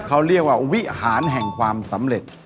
เขาเรียกว่าวิหารแห่งความสำเร็จ